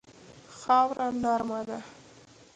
خاوره نرمه ده.